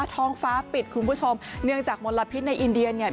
ท้องฟ้าปิดคุณผู้ชมเนื่องจากมลพิษในอินเดียเนี่ย